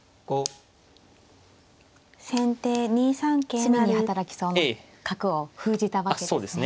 詰みに働きそうな角を封じたわけですね。